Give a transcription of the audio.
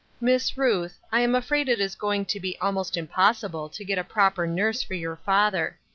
" Miss Ruth, I am afraid it is going to be almost impossible to get a proper nurse for your father.